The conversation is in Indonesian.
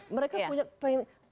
mereka punya pengen